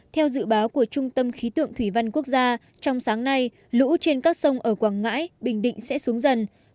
theo dự báo của trung tâm khí tượng thủy văn quốc gia trong sáng nay lũ trên các sông ở quảng ngãi bình định sẽ xuống dần